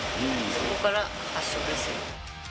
そこから発祥ですよ